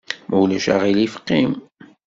Ma ulac aɣilif qim!